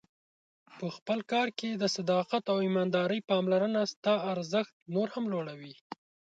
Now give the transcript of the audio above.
په خپل کار کې د صداقت او ایماندارۍ پاملرنه ستا ارزښت نور هم لوړوي.